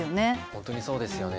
本当にそうですよね。